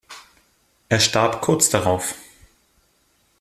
Er starb kurz darauf.